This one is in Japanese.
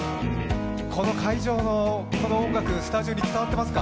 この会場のこの音楽スタジオに伝わっていますか？